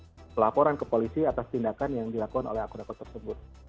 jadi bintang emon melakukan laporan ke polisi atas tindakan yang dilakukan oleh akun akun tersebut